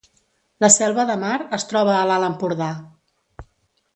La Selva de Mar es troba a l’Alt Empordà